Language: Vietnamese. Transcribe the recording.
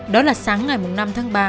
đó là sáng ngày năm tháng ba